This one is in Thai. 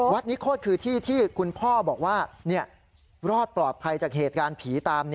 นิโคตรคือที่ที่คุณพ่อบอกว่ารอดปลอดภัยจากเหตุการณ์ผีตาม